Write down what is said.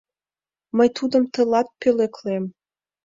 Мый тудым тылат пӧлеклем.